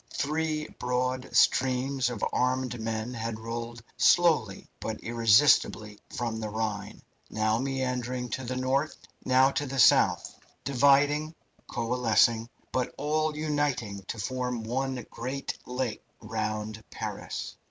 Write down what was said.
Three broad streams of armed men had rolled slowly but irresistibly from the Rhine, now meandering to the north, now to the south, dividing, coalescing, but all uniting to form one great lake round Paris.